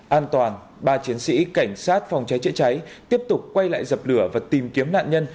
an toàn ba chiến sĩ cảnh sát phòng cháy chữa cháy tiếp tục quay lại dập lửa và tìm kiếm nạn nhân